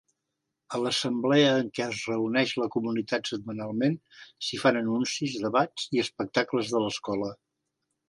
A l'assemblea en què es reuneix la comunitat setmanalment, s'hi fan anuncis, debats i espectacles de l'escola.